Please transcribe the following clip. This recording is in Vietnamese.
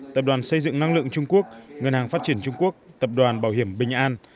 tập đoàn xây dựng năng lượng trung quốc ngân hàng phát triển trung quốc tập đoàn bảo hiểm bình an